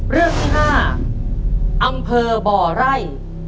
เรื่องที่๕อำเภอบ่อไร่